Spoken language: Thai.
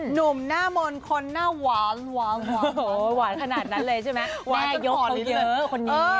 หนุ่มหน้ามนต์คนหน้าหวานหวานหวานหวานขนาดนั้นเลยใช่ไหมแม่ยกของเยอะคนนี้